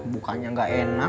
bukannya nggak enak